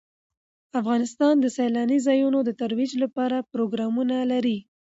افغانستان د سیلانی ځایونه د ترویج لپاره پروګرامونه لري.